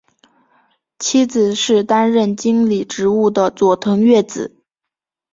妻子是担任经理职务的佐藤悦子。